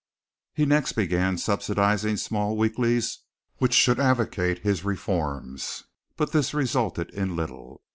He next began subsidizing small weeklies which should advocate his reforms, but this resulted in little.